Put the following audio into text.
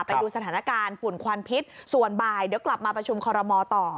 ไปดูสถานการณ์ฝุ่นควันพิษส่วนบ่ายเดี๋ยวกลับมาประชุมคอรมอต่อ